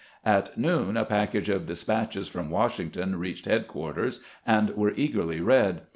At noon a package of despatches from Washington reached headquarters, and were eagerly read.